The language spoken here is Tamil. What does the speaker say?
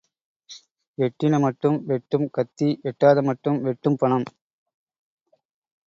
எட்டின மட்டும் வெட்டும் கத்தி எட்டாத மட்டும் வெட்டும் பணம்.